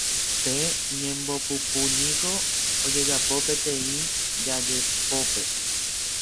Pe ñembopupúniko ojejapo peteĩ japepópe